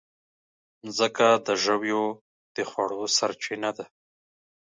مځکه د ژويو د خوړو سرچینه ده.